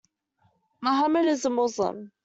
Mohammed is a Muslim.